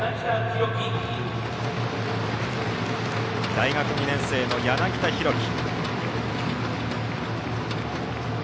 大学２年生の柳田大輝。